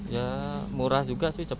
ya murah juga sih